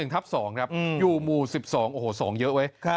ทับ๒ครับอยู่หมู่๑๒โอ้โห๒เยอะเว้ย